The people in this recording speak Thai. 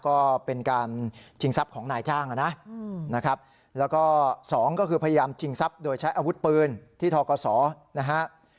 ก็เป็นการชิงทรัพย์ของนายจ้างนะครับแล้วก็สองก็คือพยายามชิงทรัพย์โดยใช้อาวุธปืนที่ทกศนะฮะ